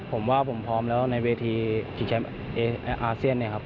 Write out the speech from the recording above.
ผมว่าผมพร้อมแล้วในเวทีชิงแชมป์อาเซียนเนี่ยครับ